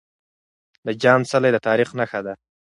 د جام څلی د تاريخ نښه ده.